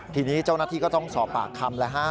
ทีนี้เจ้าหน้าที่ก็ต้องสอบปากคำแล้วฮะ